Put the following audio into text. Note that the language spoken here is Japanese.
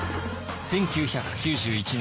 １９９１年